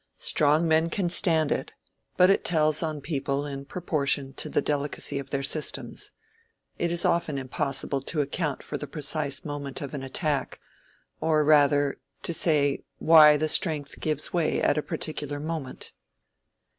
"Strong men can stand it, but it tells on people in proportion to the delicacy of their systems. It is often impossible to account for the precise moment of an attack—or rather, to say why the strength gives way at a particular moment."